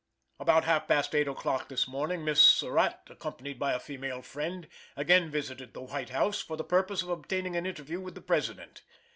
About half past 8 o'clock this morning, Miss Surratt, accompanied by a female friend, again visited the White House, for the purpose of obtaining an interview with the President.